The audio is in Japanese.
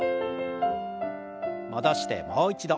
戻してもう一度。